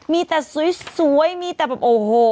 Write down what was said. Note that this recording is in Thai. มีแต่สวยมีแต่แบบโอ้โห